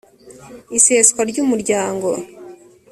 iseswa ry umuryango